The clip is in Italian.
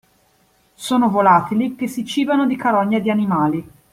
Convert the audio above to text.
Sono volatili che si cibano di carogne di animali.